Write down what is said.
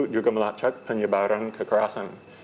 juga melacak penyebaran kekerasan